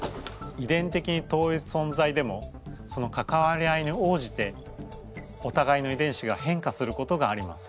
遺伝的に遠いそんざいでもその関わり合いにおうじておたがいの遺伝子が変化することがあります。